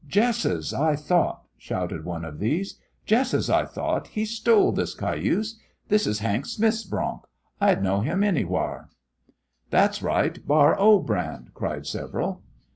"Jess's I thought!" shouted one of these. "Jess's I thought! He's stole this cayuse. This is Hank Smith's bronc. I'd know him any whar!" "That's right! Bar O brand!" cried several.